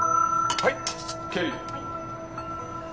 はい。